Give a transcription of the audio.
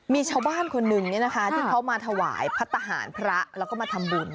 มีชาวบ้านคนหนึ่งที่เขามาถวายพัฒนาหารพระแล้วก็มาทำบุญ